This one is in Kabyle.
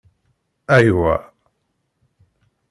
Aywa!